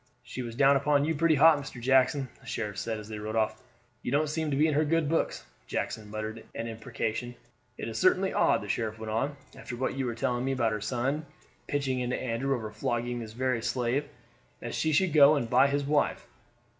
"She was down upon you pretty hot, Mr. Jackson," the sheriff said as they rode off. "You don't seem to be in her good books." Jackson muttered an imprecation. "It is certainly odd," the sheriff went on, "after what you were telling me about her son pitching into Andrew over flogging this very slave, that she should go and buy his wife.